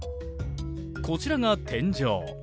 こちらが天井。